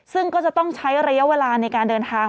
ซึ่งก็จะต้องใช้ระยะเวลาในการเดินทาง